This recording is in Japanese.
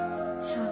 そう。